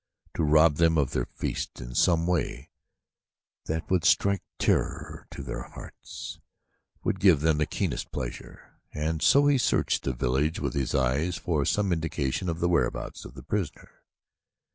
To rob them of their feast in some way that would strike terror to their hearts would give him the keenest of pleasure, and so he searched the village with his eyes for some indication of the whereabouts of the prisoner.